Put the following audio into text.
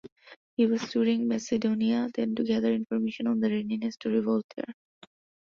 He was touring Macedonia then to gather information on the readiness to revolt there.